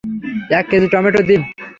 এক kg tomato দিন।